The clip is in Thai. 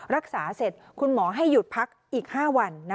รักษาเสร็จคุณหมอให้หยุดพักอีก๕วัน